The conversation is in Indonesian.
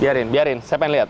biarin biarin siapa yang lihat